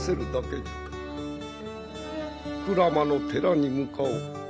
鞍馬の寺に向かおう。